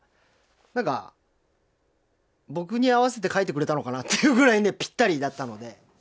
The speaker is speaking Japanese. なんか、僕に合わせて書いてくれたのかなっていうぐらいぴったりだったので。